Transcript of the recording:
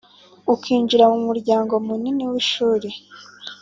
Ukinjira mu muryango munini w’ishuri